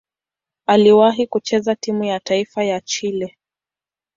Aliwahi kucheza timu ya taifa ya Chile.